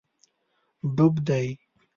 ډوب دی